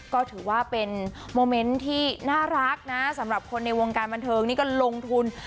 ก็ถือว่าเป็นโมเมนต์ที่น่ารักนะสำหรับคนในวงการบันเทิงนี่ก็ลงทุน